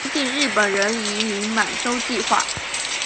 推进日本人移民满洲计划。